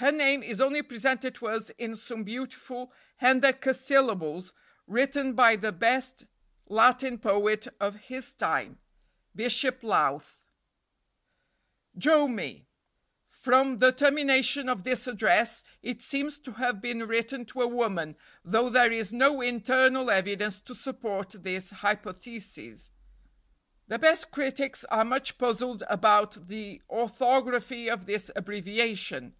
Her name is only presented to us in some beautiful hendecasyllables written by the best Latin poet of his time (Bishop Lowth): Note (a). "Dromy. From the termination of this address it seems to have been written to a woman, though there is no internal evidence to support this hypothesis. The best critics are much puzzled about the orthography of this abbreviation.